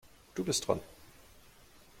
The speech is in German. Du bist dran.